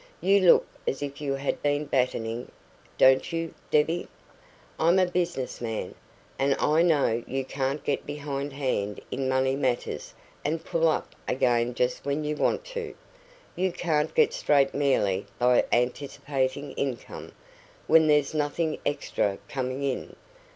"You look as if you had been battening, don't you? Debbie, I'm a business man, and I know you can't get behindhand in money matters and pull up again just when you want to; you can't get straight merely by anticipating income, when there's nothing extra coming in.